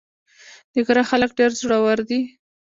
د غره خلک ډېر زړور دي.